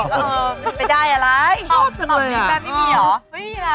อีกตอนนี้แม่ไม่มีหรอ